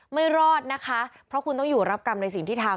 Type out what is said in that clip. ไม่รอดนะคะเพราะคุณต้องอยู่รับกรรมในสิ่งที่ทำ